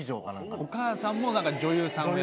お母さんも女優さんやってて。